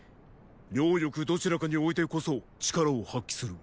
両翼どちらかに置いてこそ力を発揮する。